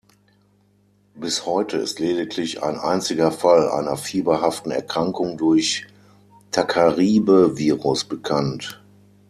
Bis heute ist lediglich ein einziger Fall einer fieberhaften Erkrankung durch "Tacaribe-Virus" bekannt.